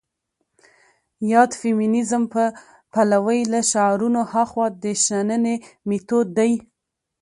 يا د فيمنيزم په پلوۍ له شعارونو هاخوا د شننې مېتود دى.